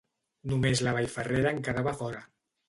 Només la Vall Ferrera en quedava fora.